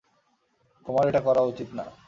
তোমার এটা করা উচিত না।